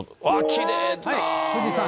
きれいだ。